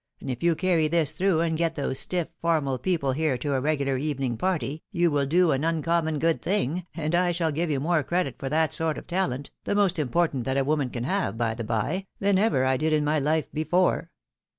and iif you carry this through, and get those stiff, formal people here to a regular evening party, you wiH do an uncommon good thing, and I shall give you more credit for that sort of talent (the most important that a woman can have, by the by) than ever I did in my hfe before."